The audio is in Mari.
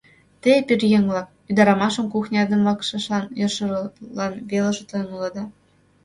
Те, пӧръеҥ-влак, ӱдырамашым кухня ден вакшышлан йӧршылан веле шотлен улыда.